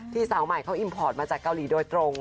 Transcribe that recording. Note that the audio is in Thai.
สาวใหม่เขาอิมพอร์ตมาจากเกาหลีโดยตรง